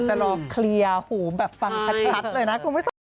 จะรอเคลียร์หูแบบฟังชัดเลยนะ